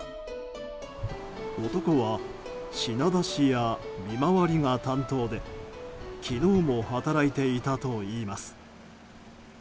男は品出しや見回りが担当で昨日も働いていたといいます。